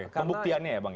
pembuktiannya ya bang